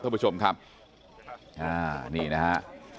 ท่านผู้ชมครับอ่านี่นะฮะ